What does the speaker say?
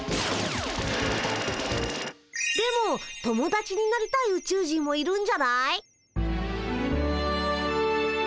でも友だちになりたいウチュウ人もいるんじゃない？